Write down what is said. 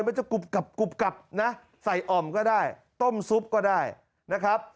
อ๋ออร่อยมันจะกุบกับกุบกับนะใส่อ่อมก็ได้ต้มซุปก็ได้นะครับ